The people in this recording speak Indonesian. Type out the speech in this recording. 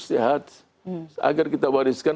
sehat agar kita wariskan